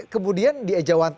kemudian dia jawab tangan